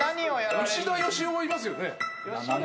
吉田よしおはいますよね。